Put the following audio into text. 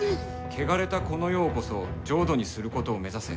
「汚れたこの世をこそ浄土にすることを目指せ」。